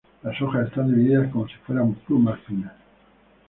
Las hojas están divididas como si fueran plumas finas.